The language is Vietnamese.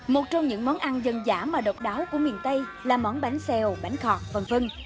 một trong những món ăn dân giả mà độc đáo của miền tây là món bánh xèo bánh khọt phần phân